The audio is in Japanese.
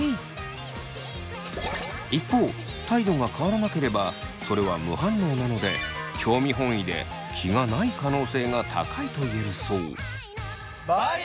一方態度が変わらなければそれは無反応なので興味本位で気がない可能性が高いといえるそう。